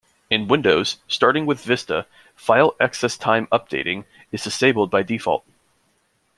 In Windows, starting with Vista, file access time updating is disabled by default.